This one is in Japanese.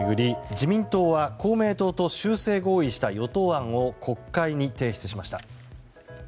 自民党は公明党と修正合意した与党案を国会に提出しました。